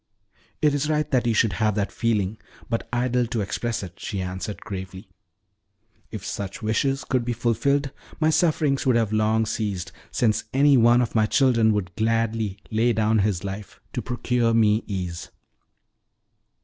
"It is right that you should have that feeling, but idle to express it," she answered gravely. "If such wishes could be fulfilled my sufferings would have long ceased, since any one of my children would gladly lay down his life to procure me ease."